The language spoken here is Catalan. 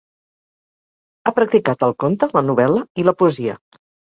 Ha practicat el conte, la novel·la i la poesia.